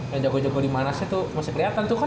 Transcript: yang jago jago di limanasnya tuh masih keliatan tuh kan